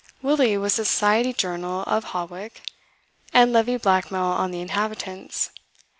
Willie was the Society Journal of Hawick, and levied blackmail on the inhabitants.